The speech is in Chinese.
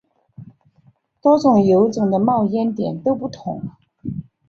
每种油种的冒烟点都不同。